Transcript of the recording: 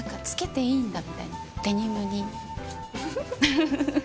フフフッ。